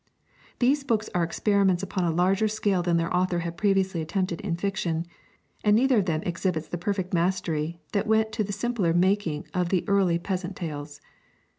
These books are experiments upon a larger scale than their author had previously attempted in fiction, and neither of them exhibits the perfect mastery that went to the simpler making of the early peasant tales.